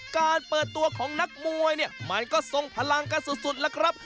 การเปิดตัวของนักมวยเนี่ยมันก็ทรงพลังกันสุดล่ะครับ